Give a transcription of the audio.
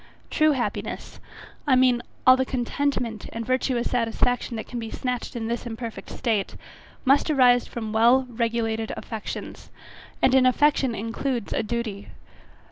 True happiness, I mean all the contentment, and virtuous satisfaction that can be snatched in this imperfect state, must arise from well regulated affections; and an affection includes a duty.